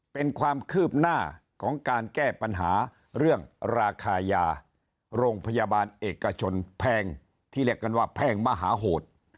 เป็นความคืบหน้าของการแก้ปัญหาเรื่องราคายาโรงพยาบาลเอกชนแพงที่เรียกกันว่าแพงมหาโหด